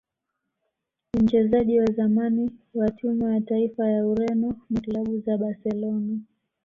ni mchezaji wa zamani wa timu ya taifa ya Ureno na klabu za Barcelona